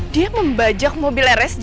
dia membajak mobil rsj